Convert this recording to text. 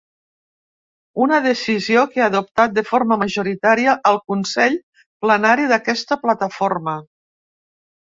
Una decisió que ha adoptat de forma majoritària el consell plenari d’aquesta plataforma.